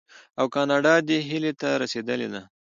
او کاناډا دې هیلې ته رسیدلې ده.